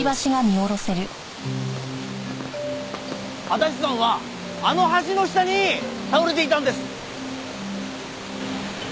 足立さんはあの橋の下に倒れていたんです。